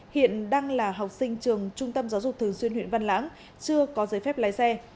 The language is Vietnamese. hiện đang là học sinh trường trung tâm giáo dục thường xuyên huyện văn lãng chưa có giấy phép lái xe